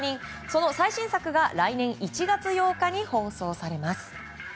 その最新作が来年１月８日に放送されます。